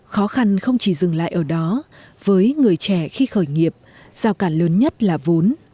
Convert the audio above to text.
khó khăn không chỉ dừng lại ở đó với người trẻ khi khởi nghiệp giao cản lớn nhất là vốn